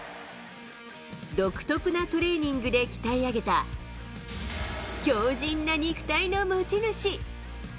独特なトレーニングで鍛え上げた強じんな肉体の持ち主。